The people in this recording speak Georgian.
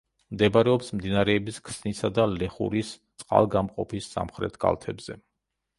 მდებარეობს მდინარეების ქსნისა და ლეხურის წყალგამყოფის სამხრეთ კალთებზე.